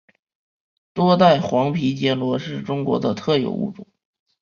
多带黄皮坚螺是中国的特有物种。